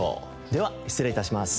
では失礼致します。